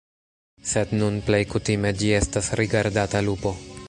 Sed nun plej kutime ĝi estas rigardata lupo.